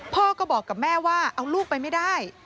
พ่อก็บอกกับแม่ว่าเอาลูกไปไม่ได้